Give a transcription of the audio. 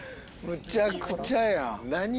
むちゃくちゃや！